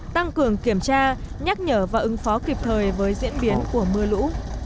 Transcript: tăng cường kiểm tra nhắc nhở và ứng phó kịp thời với diễn biến của mưa lũ